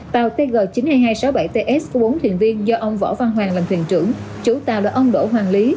tàu tg chín mươi hai nghìn hai trăm sáu mươi bảy ts của bốn thuyền viên do ông võ văn hoàng làm thuyền trưởng chủ tàu là ông đỗ hoàng lý